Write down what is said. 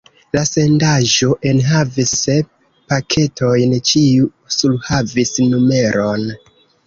La sendaĵo enhavis sep paketojn, ĉiu surhavis numeron.